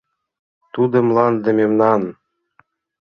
— Тудо мланде мемнан!